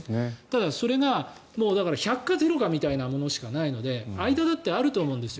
ただ、それが１００か０かみたいなものしかないので間だってあると思うんです。